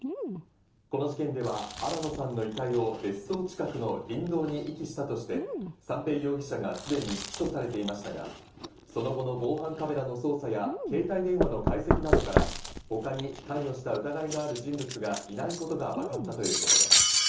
この事件では新野さんの遺体を別荘近くの林道に遺棄したとして、三瓶容疑者がすでに起訴されていましたが、その後の防犯カメラの捜査や携帯電話の解析などから他に関与した疑いがある人物がいないことがわかったということです。